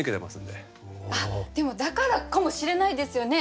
でもだからかもしれないですよね。